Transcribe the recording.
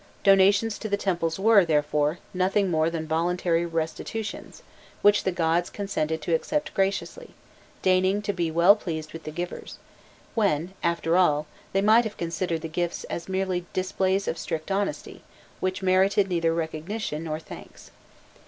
Donations to the temples were, therefore, nothing more than voluntary restitutions, which the gods consented to accept graciously, deigning to be well pleased with the givers, when, after all , they might have considered the gifts as merely displays of strict honesty, which merited neither recognition nor thanks.